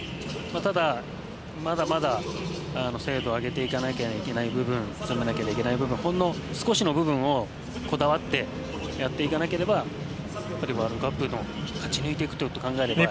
ただ、まだまだ精度を上げていかなきゃいけない部分詰めなきゃいけない部分ほんの少しの部分をこだわってやっていかなければやっぱりワールドカップを勝ち抜くことを考えると。